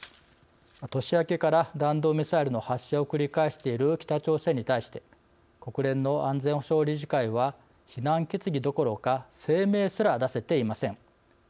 年明けから弾道ミサイルの発射を繰り返している北朝鮮に対して国連の安全保障理事会は非難決議どころか声明すら出せていません。